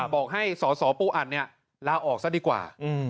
บอกให้สอสอปูอัดเนี่ยลาออกซะดีกว่า